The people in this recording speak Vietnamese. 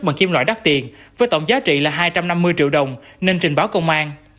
bằng kim loại đắt tiền với tổng giá trị là hai trăm năm mươi triệu đồng nên trình báo công an